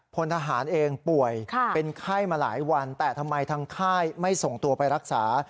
พลทหารเองป่วยเป็นไข้มาหลายวันแต่ทำไมทางค่ายไม่ส่งตัวไปรักษา